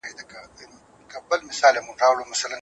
افغان توکي څنګه د سعودي عربستان بازارونو ته رسېږي؟